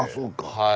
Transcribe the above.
はい。